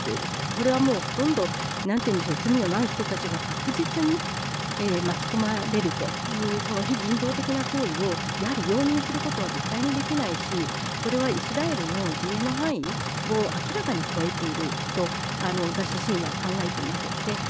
これはもうほとんど、罪のない人たちが確実に巻き込まれるという非人道的な行為を容認することは絶対にできないしイスラエルの自衛の範囲を明らかに超えていると私自身は考えています。